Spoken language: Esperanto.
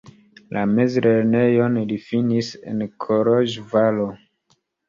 La mezlernejon li finis en Koloĵvaro.